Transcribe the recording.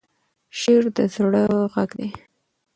شعر د زړه غږ دی.